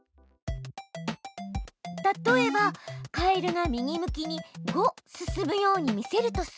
例えばカエルが右向きに「５」進むように見せるとする。